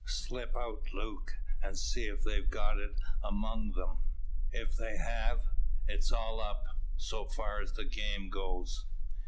Slip out, Luke, and see if they've got it among them. If they have, it's all up, so far as that game goes.